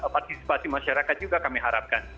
partisipasi masyarakat juga kami harapkan